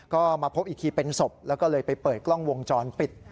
ก็มาพบอีกทีเป็นศพแล้วก็เลยไปเปิดกล้องวงจรปิด